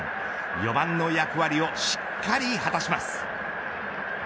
４番の役割をしっかりこなします。